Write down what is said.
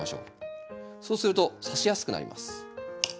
そうするとさしやすくなります。